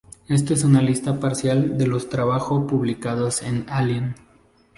Esto es una lista parcial de los trabajo publicados de Allen